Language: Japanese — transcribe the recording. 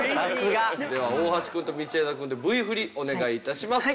では大橋くんと道枝くんでＶ振りお願い致します。